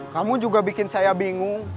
kamu juga bikin saya bingung